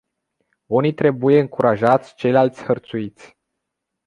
Unii trebuie încurajați, ceilalți hărțuiți.